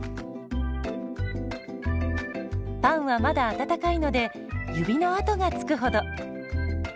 パンはまだ温かいので指の跡がつくほど。